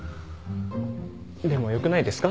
でもよくないですか？